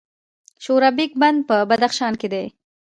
د شورابک بند په بدخشان کې دی